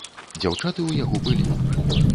Дзяўчаты ў яго былі.